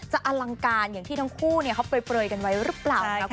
จะอลังการอย่างที่ทั้งคู่เนี่ยเขาเปลยกันไว้หรือเปล่าใช่ค่ะ